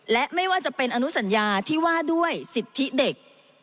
และไม่ว่าจะเป็นอนุสัญญาที่ว่าด้วยสิทธิเด็ก